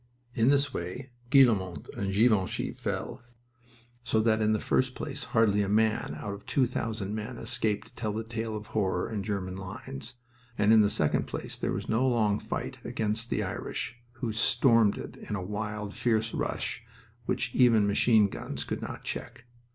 In this way Guillemont and Ginchy fell, so that in the first place hardly a man out of two thousand men escaped to tell the tale of horror in German lines, and in the second place there was no long fight against the Irish, who stormed it in a wild, fierce rush which even machine guns could not check.